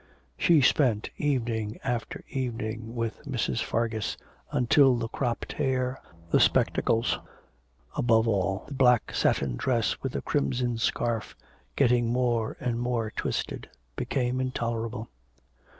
She spent evening after evening with Mrs. Fargus, until the cropped hair, the spectacles, above all, the black satin dress with the crimson scarf, getting more and more twisted, became intolerable.